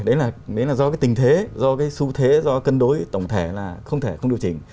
đấy là do cái tình thế do cái xu thế do cân đối tổng thể là không thể không điều chỉnh